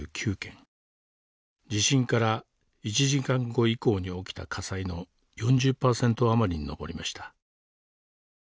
地震から１時間後以降に起きた火災の４０％余りに上りました。